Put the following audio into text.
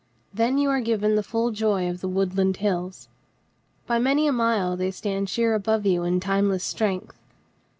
Then you are given the full joy of the woodland hills. By many a mile they stand sheer above you in timeless strength.